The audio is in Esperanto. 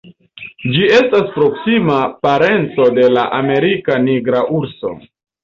Ĝi estas proksima parenco de la Amerika nigra urso.